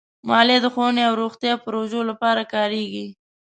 مالیه د ښوونې او روغتیا پروژو لپاره کارېږي.